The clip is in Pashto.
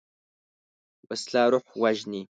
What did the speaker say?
وسله روح وژني